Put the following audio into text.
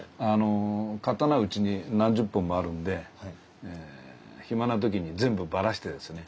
刀うちに何十本もあるんで暇な時に全部ばらしてですね